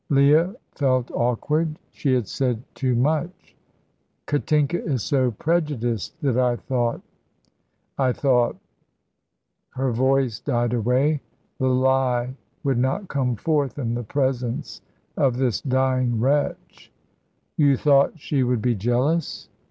Leah felt awkward. She had said too much. "Katinka is so prejudiced that I thought I thought " Her voice died away. The lie would not come forth in the presence of this dying wretch. "You thought she would be jealous.